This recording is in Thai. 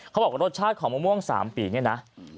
เขาบอกว่ารสชาติของมะม่วง๓ปีเนี่ยนะ